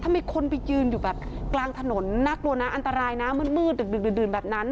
มีคนไปยืนอยู่กลางถนนนักรวณอันตรายมืดแบบนั้น